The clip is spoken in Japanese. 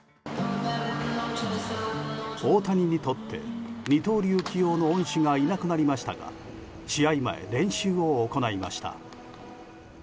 大谷にとって二刀流起用の恩師がいなくなりましたが試合前、練習を行いました。